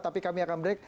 tapi kami akan break